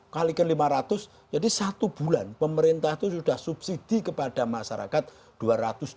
empat puluh x lima ratus jadi satu bulan pemerintah itu sudah subsidi kepada masyarakat dua ratus juta